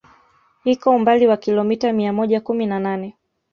Iko umbali wa kilomita mia moja kumi na nane